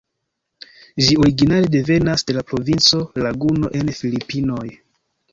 Ĝi originale devenas de la provinco Laguno en Filipinoj.